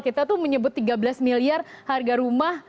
kita tuh menyebut tiga belas miliar harga rumah